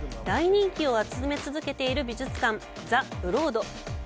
大人気を集め続けている美術館ザ・ブロード。